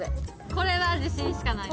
これは自信しかない。